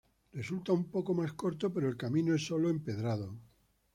Resulta un poco más corto pero el camino es sólo empedrado.